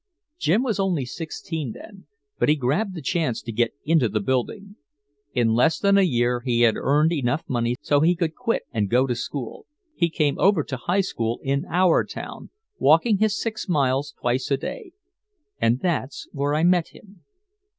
Jim was only sixteen then, but he grabbed the chance to get into the building. In less than a year he had earned enough money so he could quit and go to school. He came over to high school in our town, walking his six miles twice a day. And that's where I met him.